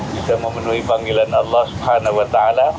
kita memenuhi panggilan allah swt